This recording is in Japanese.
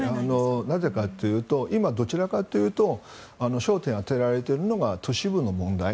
なぜかというと今、どちらかというと焦点を当てられているのが都市部の問題。